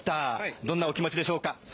どんなお気持ちでしょうか？